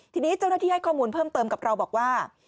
ทีนี้เจ้าหน้าที่ให้ข้อมูลเพิ่มเติมกับเราบอกว่า